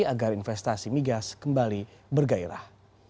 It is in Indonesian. agar investasi migas kembali bergairah